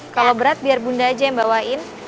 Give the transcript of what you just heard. kalau berat biar bunda aja yang bawain